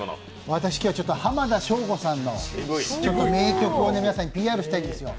私は浜田省吾さんの名曲を皆さんにＰＲしたいんですよ。